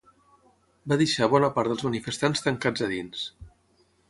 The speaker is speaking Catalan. Va deixar bona part dels manifestants tancats a dins.